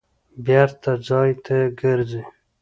بېرته ځای ته ګرځي.